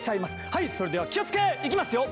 はいそれではきをつけ！いきますよ。